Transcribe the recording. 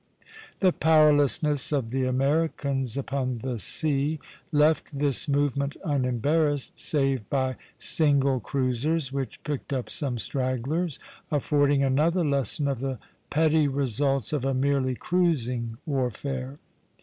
The powerlessness of the Americans upon the sea left this movement unembarrassed save by single cruisers, which picked up some stragglers, affording another lesson of the petty results of a merely cruising warfare.